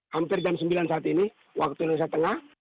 hampir jam sembilan saat ini waktu indonesia tengah